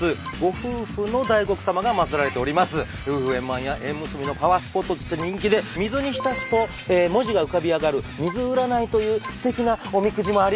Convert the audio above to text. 夫婦円満や縁結びのパワースポットとして人気で水に浸すと文字が浮かび上がる水占いというすてきなおみくじもあります。